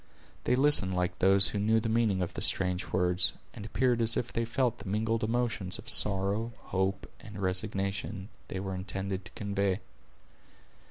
They listened like those who knew the meaning of the strange words, and appeared as if they felt the mingled emotions of sorrow, hope, and resignation, they were intended to convey.